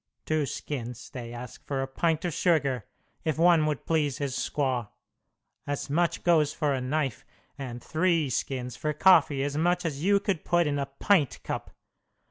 Two skins they ask for a pint of sugar, if one would please his squaw. As much goes for a knife; and three skins for coffee as much as you could put in a pint cup.